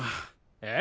えっ！？